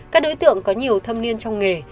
các đối tượng có nhiều thâm niên trong nghề